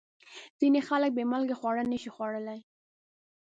ځینې خلک بې مالګې خواړه نشي خوړلی.